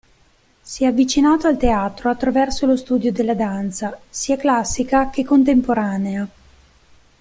Si è avvicinato al teatro attraverso lo studio della danza, sia classica che contemporanea.